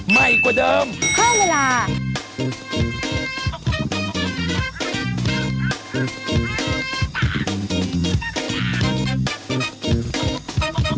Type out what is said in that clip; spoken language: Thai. ใหม่กว่าเดิม